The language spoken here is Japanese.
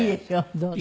どうぞ。